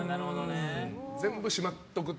全部しまっておくと。